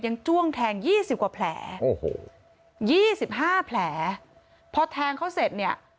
ยังจ้วงแทง๒๐กว่าแผล๒๕แผลเพราะแทงเขาเสร็จเนี่ย